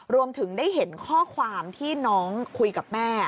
รวมถึงได้เห็นข้อความที่น้องคุยกับแม่